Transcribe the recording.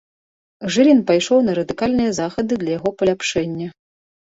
Жылін пайшоў на радыкальныя захады для яго паляпшэння.